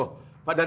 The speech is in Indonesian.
oh pak danadi